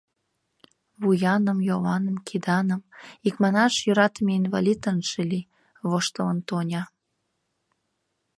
— Вуяным, йоланым, киданым... икманаш, йӧратыме инвалид ынже лий, — воштылын Тоня.